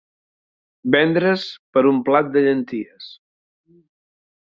Vendre's per un plat de llenties.